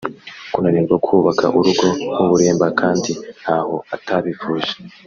kunanirwa kubaka urugo nk’uburemba kandi ntaho atabivuje